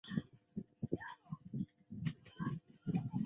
此曲同时也促进了双手交替弹奏十六分音符的技术。